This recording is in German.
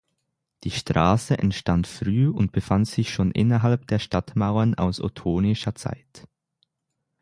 Die Straße entstand früh und befand sich schon innerhalb der Stadtmauern aus ottonischer Zeit.